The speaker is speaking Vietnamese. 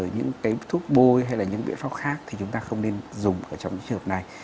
những cái thuốc bôi hay là những biện pháp khác thì chúng ta không nên dùng ở trong những trường hợp này